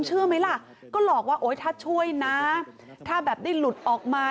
เชื่อไหมล่ะก็หลอกว่าโอ๊ยถ้าช่วยนะถ้าแบบได้หลุดออกมา